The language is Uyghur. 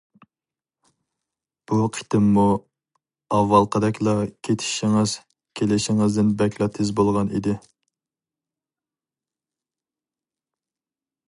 بۇ قېتىممۇ ئاۋۋالقىدەكلا كېتىشىڭىز كېلىشىڭىزدىن بەكلا تېز بولغان ئىدى.